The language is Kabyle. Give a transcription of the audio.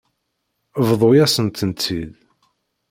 Bḍu-yasen-tent-id.